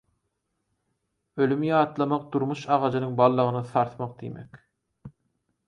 Ölümi ýatlamak durmuş agajynyň baldagyny sarsmak diýmek